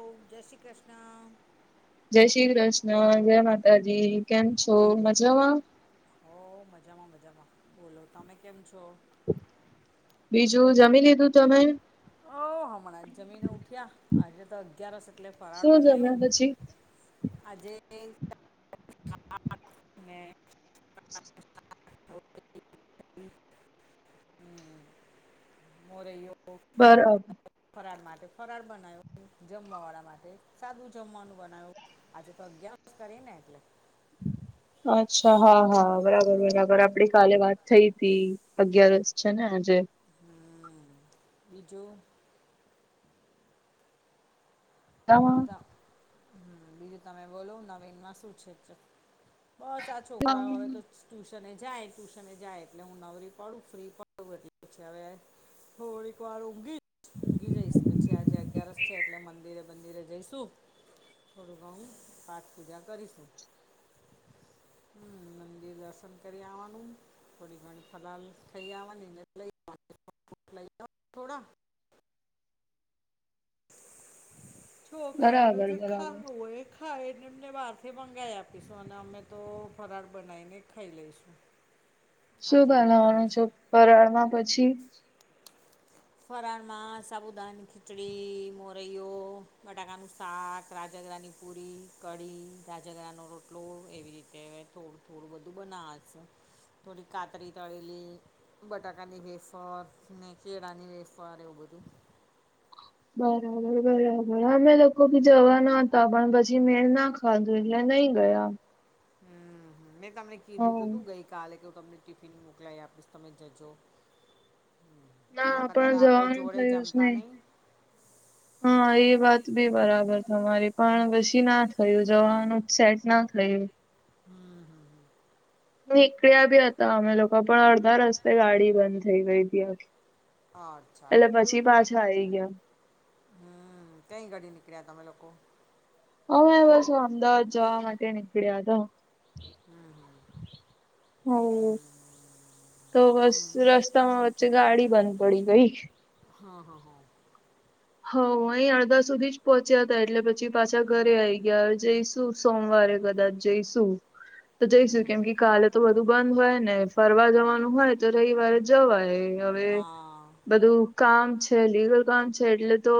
ઓમ. જય શ્રી કૃષ્ણ! જય શ્રી કૃષ્ણ. જય માતાજી. કેન છો! જય મજામાં. હો. મજામાં મજામાં. બોલો તમે કેમ છો? બીજું, જમી લીધું તમે. ઓ હમણાં જ જમીન ઉઠ્યા. આજે તો અગિયાર એટલે ફરાળ શું બનાવ્યું. જમ્યા પછી આજે ને [inaudible] હમ. મોરેઓ. બરાબર [unintelligible] ફરાળ માટે ફરાળ બનાવ્યું. જમવા વાળા માટે સાદું જમવાનું બનાવ્યું. આજે તો અગિયાર વર્ષ કરીએ ને એટલે. અચ્છા હા હા બરાબર બરાબર આપડી કાલે વાત થઈ હતી. અગિયારસ છે ને આજે. હ બીજું. તામાં બીજતા હમ બીજું તમે બોલો નવીનમાં શું છે? બસ આ છોકરાઓ હવે તો ટ્યુશને જાય ટ્યુશને જાય એટલે હું નવરી પડું ફ્રી પડું એટ પછી હવે. થોડીક વાર ઊંઘી ઊંઘી જઈશ પછી આજે અગિયારસ છે. એટલે મંદિરે મંદિરે જઈશું થોડુંક ઘણું પાઠ પૂજા કરીશું. હમ મંદિર દર્શન કરી આવવાનું થોડી ઘણી ફલાહ થઈ આવવાની. લઈ થોડા. છોકરાઓને બરાબર જે ખા બરાબર હોય. ખા એને અમને બહારથી મંગાઈ આપીશું અને અમે તો ફરાળ બનાવીને ખાઈ લઈશું. શું આજે એવું બનાવાનું છે કરીશું પરાળ માં પછી. ફરણમાં સાબુદાનની ખીચડી, મોરૈયો બટાકાનું શાક, રાજઘરાની પુરી કઢી રાજા ગણાા નો રોટલો એવી રીતે હ થોડું થોડું બધું બનાવે છે. થોડી કાતરી, તળેલી બટાકાની હેરફર ને તની વેફવર એઉ બધું. બરાબર બરાબર અમે લોકો ભી જવા ન હતા પણ પછી મેળ નાખ ખાંધુલિયા નહી ગયા. હમ મેં તમને હ કીધું તું તું ગઈ કાલે કે હ તમને ટિફિન મોકલાઈ આપીશ તમે જજો. ના એના કરતા પણ તો આપડે જવાનું જોડે થયું જ જમતા નહી. [inaudible] હા એ વાત બી બરાબર તમારી પણ પછી ના થયું જવાનું સેટ ના થયું. હમમ નીકળ્યા બી હતા અમે લોકો પણ અડધા રસ્તે ગાડી બંધ થઈ ગઈ હતી. અચ્છા એટલે એવું થયું પછી પાછા આવી ગયા. હમ કઈ ઘડી નીકળ્યા તમે લોકો? હમે બસ અમદાવાદ જવા માટે નીકળ્યા ત હમ હમ હ એ તો હમ બસ આમ રસ રસ્તામાં વચ્ચે ગાડી બંધ પડી ગઈ. હા હા હા હ અહી અડધા સુધી જ પહોંચ્યા હતા, એટલે પછી પાછા ઘરે આવીઈ ગયા જઈશું. સોમવારે કદાચ જઈશું તો જઈશું હમ કેમ કે કાલે તો બધું બંધ હોય ને ફરવા જવાનું હોય તો રવિવારે જવાય. હવે હા બધું કામ છે લીગલ કામ છે. છે એટલે તો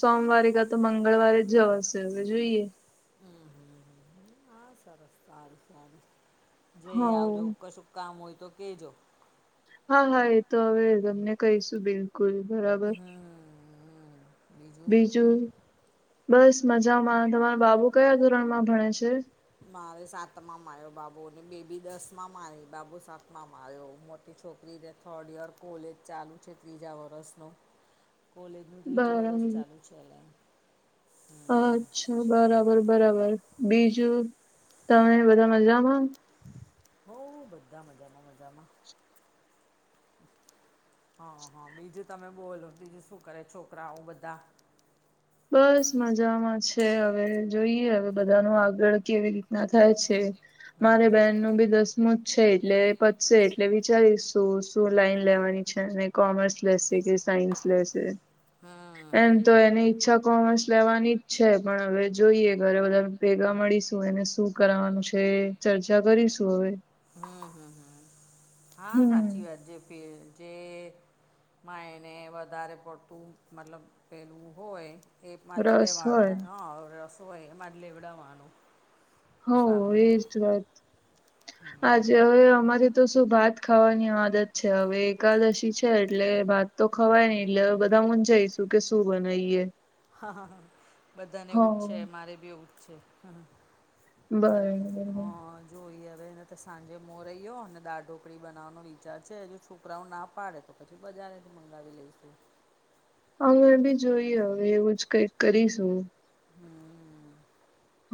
સોમવારે કા તો મંગળવારે જ જવાશે હવે જોઈએ. હમ હમ હ સરસ સારુ સારુ હ જઈ આવજો કશું કામ હોય તો કહેજો. હા હા એ તો હવે અમને કહીશું બિલકુલ બરાબર. બીજું બસ મજામાં તમારા બાબુ કયા ધોરણ માં ભણે છે? મારે સાતમાં આયો બાબુને બેબી દસ માં મારી બાબુ સાત માં આયો. છોકરીને થર્ડ યર કોલેજ ચાલુ છે, ત્રીજા વર્ષનો [inaudible] કોલેજનું ત્રીજું વર્ષ બરાબર ચાલુ છે. અચ્છા બરાબર બરાબર બીજું તમે બધા મજામાં? બૂબ બધા મજામાં મજામાં. હા હા. બીજું તમે બોલો, બીજું શું કરે? છોકરાઓ બધા. બસ મજામાં છે. હવે, જોઈએ હવે બધાનું આગળ કેવી રીતના થાય છે. હમ મારે હમ બહેનનું ભી દસ સ્મૂથ છે. એટલે, પચશે એટલે વિચારીશું, શું લાઈન લેવાની છે અને કોમર્સ લેશે કે સાયન્સ લેશે. હમ એમ તો એની ઈચ્છા કોમર્સ લેવાની જ છે પણ હવે જોઈએ ઘરે બધા ભેગા મળીશું એને શું કરવાવાનું છે. ચર્ચા કરીશું હવે. હમ હમ હમ. હા, સાચી હમ વાત જે જે- માં એને વધારે પડતું મતલબ પહેલું હોય. એમા જ રસ લેવાનું. હોય હા, હવે શું એમા જ લેવડાવાનું. હ એ જ વાત જે હવે અમારી તો શું ભાત ખાવાની આદત છે. હવે, એકાદશી છે એટલે ભાત તો ખવાય નઈ એટલે બધા હું જઈશું કે શું બનાવીએ? હ હ હ. બધાને હ એવું જ છે. મારે બીવું જ છે હ. હ બરાબર હા. જોઈ હવેને તો સાંજે મોરહી્યો અને દાળ ઢોકળી બનાવવાનો વિચાર છે. હજુ છોકરાઓ ના પાડે. તો પછી બધાનેથી મંગાવી લઈશું. અમે બી જોઈએ હવે, એવું જ કઈક કરીશું. બઉ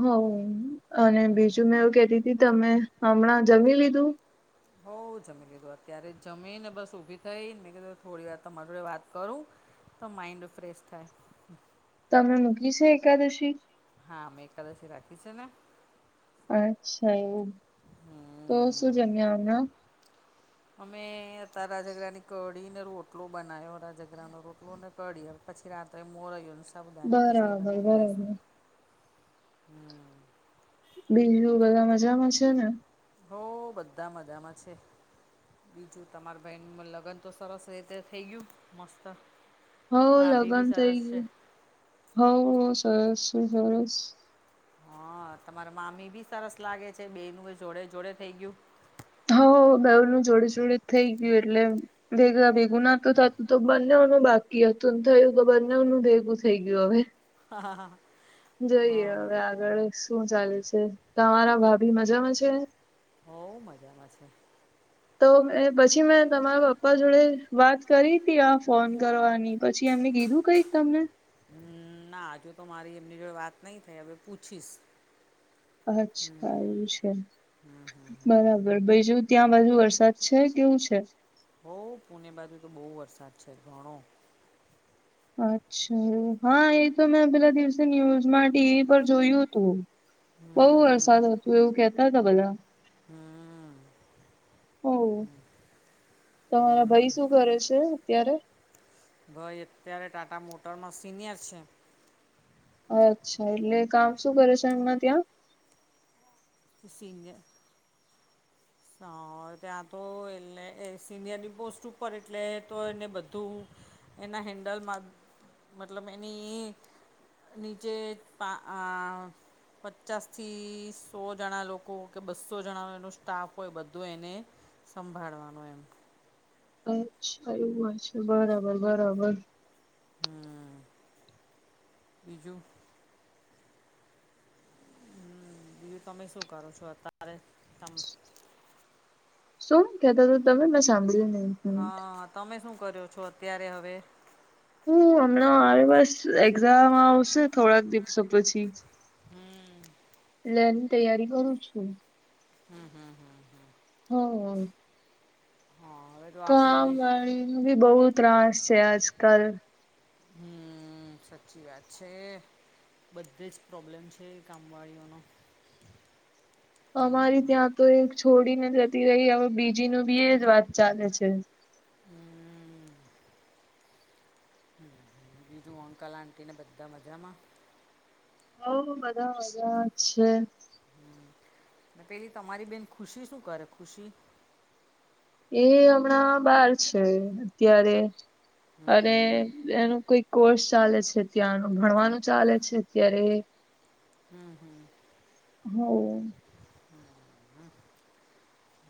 હ અને બીજું મેં એવું કેતી તી તમે હમણાં જમી લીધું? હોઉ જમી લીધું. અત્યારે જમીને બસ ઊભી થઈને મેં કીધું થોડી વાર તમારે જોડે વાત કરું. તો માઇન્ડ ફ્રેશ થાય. તમે મૂકી છે એકાદશી? હા, મેં એકાદશી રાખી છે ને. અચ્છા. એવું તો હમ શું જમ્યા હમણા? અમે હતા રાજઘરાની કઢી ને રોટલો બનાવ્યો. રાજઘરાનો રોટલો અને કઢી પછી રાત્રએ મોરયો અને સાબુધાની ખીચડી બરાબર બનાવી લેશું. બરાબર. બીજુ બધા મજામાં છે ને? હો, બધા મજામાં છે. બીજું તમારી બહેન લગ્ન તો સરસ રીતે થઈ ગયું મસ્ત. હોઉ, ભાભી લગ્ન બી સરસ છે થઈ ગયું હો સરસું સરસ. હા, તમારા મામી ભી સરસ લાગે છે બેવનું એ જોડે જોડે થઈ ગયું. હોઉ, બેવનું જોડી જોડી થઈ ગયું એટલે. ભેગા ભેગું નાતું થતું તો બંનેનું બાકી હતું થયું તો બંનેનું ભેગું થઈ ગયું હવે. હા હા હા. જઈએ હવે આગળ શું ચાલે છે. તમારા ભાભી મજામાં છે. બઉ મજામાં છે. તો પછી મેં તમારા પપ્પા જોડે વાત કરી હતી. આ ફોન કરવાની પછી એમને કીધું કઈક તમને? હમ, ના હજુ તો મારી એમની જોડે વાત નહી થઈ. હવે પૂછીશ? અચ્છા હમ એવું છે હમ હમ હમ બરાબર બીજું ત્યાં બુ વર્ષ સચ છે કેવું છે? હોઉ પુણે બાજુ તો બહુ વરસાદ છે ઘણો. અચ્છા. હા, એ તો મેં પેલા દિવસે ન્યુઝમાં ટીવી પર જોયું હતું. બઉુ હમ વરસાદ હતો એવું કેહતા હતા બધા. હમ. હ, તમારા ભાઈ હમ શું કરે છે? અત્યારે. ભાઈ અત્યારે ટાટા મોટરમાં સિનિયર છે. અચ્છા. એટલે કામ શું કરે છે? એમના ત્યાં. સિનિયર. ત્યાં તો એટલે, સિનિયરની પોસ્ટ ઉપર એટલે તો એને બધું એના હેન્ડલમાં મતલબ એની નીચે પા આ પચાસથી સો જણા લોકો કે બસો જણાનો એનો સ્ટાફ કોઈ બધું એને સંભાળવાનું એમ અચ્છા એવું હોય છે બરાબર બરાબર હમ બીજું હમ બીજું તમે શું કરો છો અત્યારે તમ શું કેતા ત તમે મેં સાંભળી્યું નહી હા તમે શું કર્યો છો અત્યારે હવે હું હમણાં આવે બસ એક્ઝામ આવશે થોડાક દિવસો પછી હમ ની તૈયારી કરું છું હમ હમ હમ હ હમ હા તો આપડી કામવાળ ભી બહુ તાસ છે આજ કલ હમ સાચી વાત છે બધે જ પ્રોબ્લેમ છે કામવાળીઓનો અમારી ત્યાં તો એક છોડીને જતી રહી હવે બીજી નું બી એ જ વાત ચાલે છે હમ જો અંકા લલાન્ટના બધા મધરાામાં હ બધા બધા છે હમ ને પેલી તમારી બેન ખુશી શું કરે ખુશી એ હમણાં બાર છે અત્યારે અને ન કોઈ કોર્સ ચાલે છે ત્યાંનું ભણવાનું ચાલે છે અત્યારે હમ હમ હ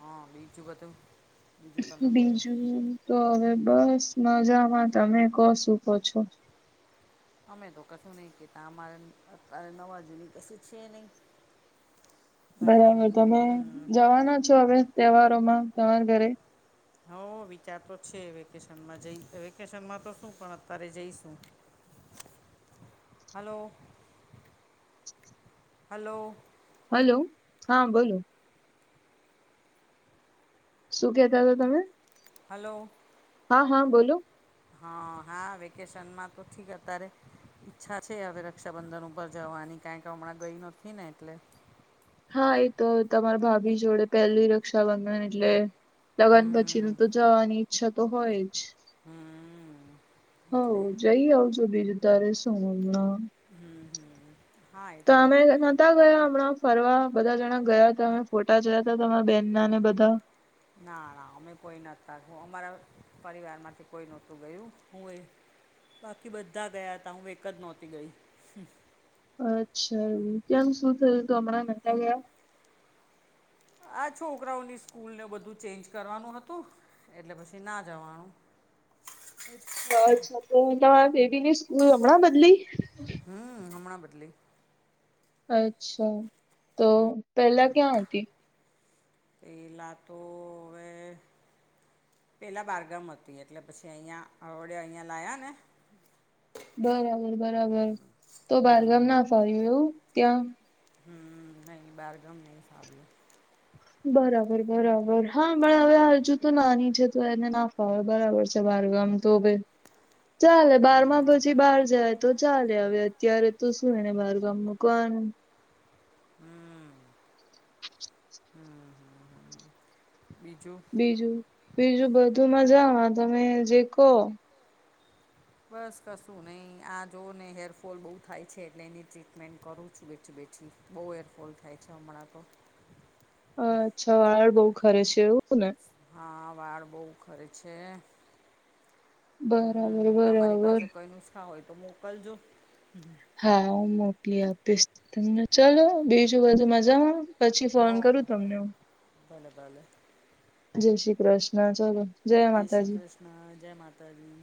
હા બીજુંકાત બીજું તો હવે બસ મજામાં તમે કો શુંકો છો અમે તો કહ્યું નહીિ કે ત અમારે અત્યારે નવા જૂની કસી છે નહી બરાબર તમે જવાના છો હવે તહેવારોમાં તમારા ઘરે હ વિચાર તો છે વેકેશનમાં જ વેકેશનમાં તો શું પણ અત્યારે જઈશું હલો હલો હલો હા બોલો શું કેતા હતા તમે હલો હા હા બોલો હા હા વેકેશનમાં તો ઠીક અત્યારે ઈચ્છા છે હવે રક્ષાબંધન ઉપર જવાની કારણ કે હમણાં ગઈ નથી ને એટલે. હા એ તો તમારા ભાભી જોડે પહેલી રક્ષાબંધન એટલે. લગન પછી હમ નુ તો જવાની ઈચ્છા તો હોય જ. હમ એટલે હ હમ જઈ આવઉ છો બીજ તારે શું હમ હા એ તો ઈ અમે બતા ગયા હમણાં ફરવા બધા જણા ગયા હતા અમે ફોટા જયા ત અરા બેહેન નાને બધા ના ના અમે કોઈ નહોતાું અમારા પરિવાર માંથી કોઈ નહોતું ગયું હું એ બાકી બધા ગયા હતા હું એક જ નહોતી ગઈ અચ્છા એ કેમ શું થયું હતું હમણાં નતા ગયા આ છોકરાઓની સ્કૂલને બધું ચેન્જ કરવાનું હતું એટલે પછી ના જવાનું અચ્છા અચ્છા તો તમારા બેબી ની સ્કૂલ હમણાં બદલી હમ હમણાં બદલી અચ્છા તો પહેલા ક્યાં હતી એ લાતો રે પેલા બારગામ હતી એટલે પછી અહંયા અડે અહિયાયાં લાયા ને બરાબર બરાબર તો બારગામ ના ફાવ્યું એવું ત્યાં. હમ નહી બારગામ નહી ફાવ્યું. બરાબર બરાબર હા પણ હવે હજુ તો નાની છે તો એને ના ફાવે બરાબર. બારગામ તો ભ ચાલે બાર માં પછી બાર જાય. તો ચાલે હવે અત્યારે તો શું એને બારગામ મકવાનું. હમ બીજું? બીજું બીજું બધું મજામાં તમે જે કહો. બસ કશું નહીં આ જો ને હેરફોલ બહુ થાય છે એટલે એની ટ્રીટમેન્ટ કરું છું બેઠી બેઠી. બહુ હેરફોલ થાય છે હમણાં તો. અચ્છા વાળ બહુ ખરે છે એવું ને? હા વાળ બહુ ખરે છે. હમ્મ બરાબર તમારી બરાબર પાસે કોઈ નુસ્ખા હોય તો મોકલજો. હા હું મોકલી આપીશ તને ચલો બીજું બધું મજામાં? પછી હો ફોન હો કરું તમને હું. ભલે ભલે. જય શ્રીકૃષ્ણ ચાલો. જય શ્રી કૃષ્ણ, જય માતાજી.